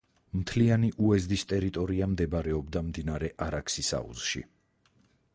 მთლიანი უეზდის ტერიტორია მდებარეობდა მდინარე არაქსის აუზში.